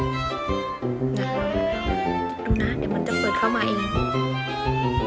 เนี่ยมันเปิดประตูอีกนะ